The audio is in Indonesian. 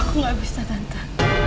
aku gak bisa tante